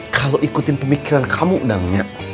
kalau ikutin pemikiran kamu dang